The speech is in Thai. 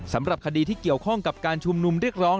สำหรับคดีที่เกี่ยวข้องกับการชุมนุมเรียกร้อง